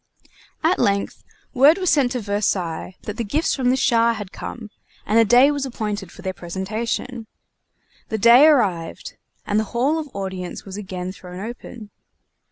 At length, word was sent to Versailles that the gifts from the Shah had come, and a day was appointed for their presentation. The day arrived, and the Hall of Audience was again thrown open.